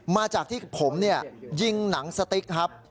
มาจากที่ผมยิงหนังสติ๊กครับ